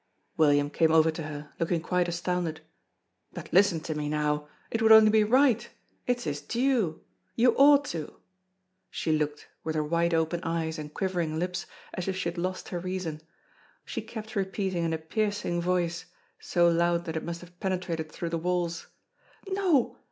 William came over to her, looking quite astounded: "But listen to me now it would only be right it is his due you ought to!" She looked, with her wide open eyes and quivering lips, as if she had lost her reason. She kept repeating in a piercing voice, so loud that it must have penetrated through the walls: "No!